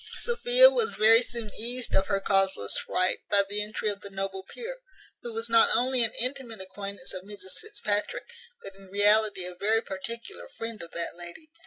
Sophia was very soon eased of her causeless fright by the entry of the noble peer, who was not only an intimate acquaintance of Mrs Fitzpatrick, but in reality a very particular friend of that lady.